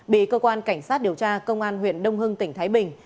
bị cơ quan cảnh sát điều tra công an huyện đông hưng tỉnh thái bình